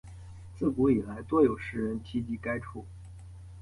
自古以来多有诗人提及该处。